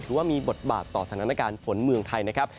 ว่ามีบทบาทต่อสถานการณ์ฝนเมืองไทยนะครับ